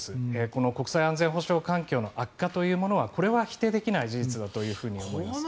この国際安全保障環境の悪化というものはこれは否定できない事実だと思います。